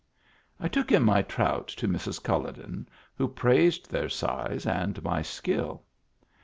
I took in my trout to Mrs. CuUoden, who praised their size and my skill.